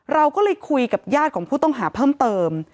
เราก็เลยคุยกับญาติของผู้ต้องหาเพิ่มเติม